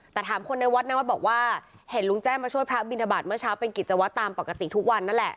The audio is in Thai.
แต่ถามคนในวัดนะวัดบอกว่าเห็นลุงแจ้งมาช่วยพระบินทบาทเมื่อเช้าเป็นกิจวัตรตามปกติทุกวันนั่นแหละ